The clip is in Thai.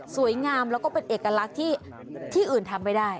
สวยงามแล้วก็เป็นเอกลักษณ์ที่อื่นทำไม่ได้